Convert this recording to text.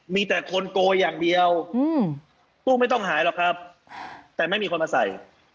มีแต่คนโกยอย่างเดียวตู้ไม่ต้องหายหรอกครับแต่ไม่มีคนมาใส่